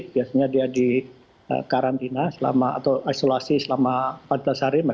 biasanya dia di karantina atau isolasi selama empat belas hari